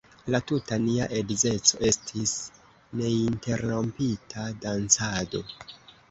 La tuta nia edzeco estis neinterrompita dancado.